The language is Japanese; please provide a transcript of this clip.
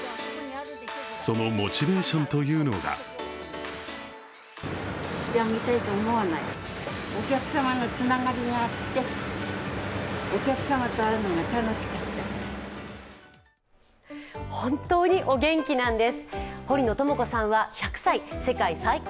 そのモチベーションというのが本当にお元気なんです。